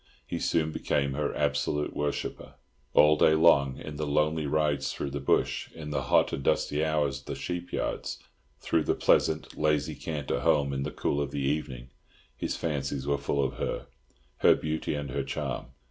He soon became her absolute worshipper. All day long, in the lonely rides through the bush, in the hot and dusty hours at the sheep yards, through the pleasant, lazy canter home in the cool of the evening, his fancies were full of her—her beauty and her charm.